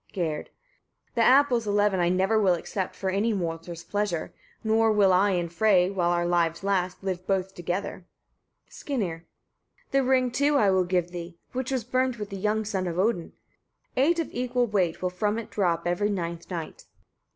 Gerd. 20. The apples eleven I never will accept for any mortal's pleasure; nor will I and Frey, while our lives last, live both together. Skirnir. 21. The ring too I will give thee, which was burnt with the young son of Odin. Eight of equal weight will from it drop, every ninth night.